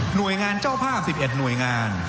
หน่วยงานเจ้าภาพ๑๑หน่วยงาน